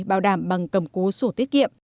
bảo đảm bằng cầm cố sổ tiết kiệm